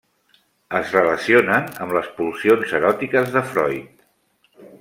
Es relacionen amb les pulsions eròtiques de Freud.